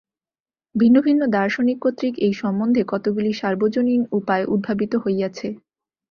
ভিন্ন ভিন্ন দার্শনিক কর্তৃক এই-সম্বন্ধে কতকগুলি সর্বজনীন উপায় উদ্ভাবিত হইয়াছে।